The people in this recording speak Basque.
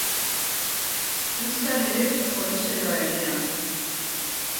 Izan ere, horixe da egia.